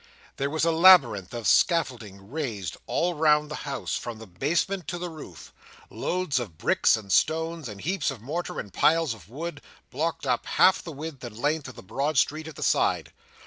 There was a labyrinth of scaffolding raised all round the house, from the basement to the roof. Loads of bricks and stones, and heaps of mortar, and piles of wood, blocked up half the width and length of the broad street at the side.